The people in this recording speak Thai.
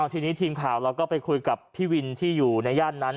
ทีนี้ทีมข่าวเราก็ไปคุยกับพี่วินที่อยู่ในย่านนั้น